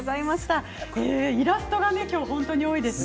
イラストが本当に多いです。